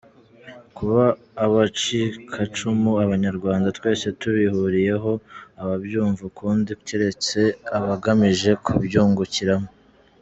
Kuba abacikacumu, Abanyarwanda twese tubihuriyeho; ababyumva ukundi keretse abagamije kubyungukiramo.